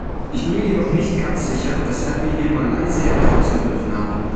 Ich bin mir jedoch nicht ganz sicher, weshalb wir hier Malaysia herausgegriffen haben.